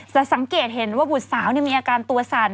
แต่สังเกตเห็นว่าบุษาวนี่มีอาการตัวสั่น